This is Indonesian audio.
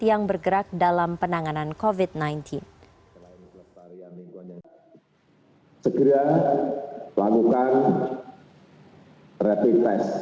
yang berhubungan dengan perlindungan